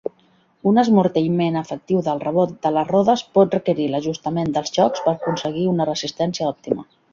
Un esmorteïment efectiu del rebot de les rodes pot requerir l'ajustament dels xocs per aconseguir una resistència òptima.